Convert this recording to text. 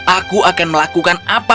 aku akan melakukan apapun